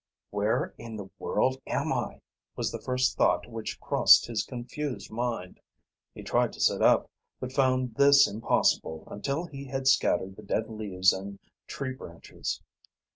"Where in the world am I?" was the first thought which crossed his confused mind. He tried to sit up, but found this impossible until he had scattered the dead leaves and tree branches.